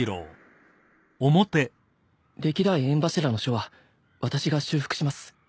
歴代炎柱の書は私が修復します。